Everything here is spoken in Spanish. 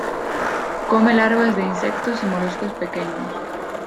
Come larvas de insectos y moluscos pequeños.